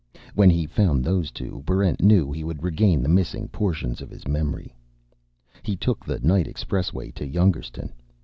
When he found those two, Barrent knew he would regain the missing portions of his memory. He took the night expressway to Youngerstun.